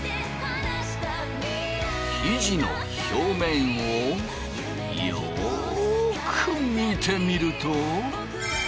生地の表面をよく見てみると。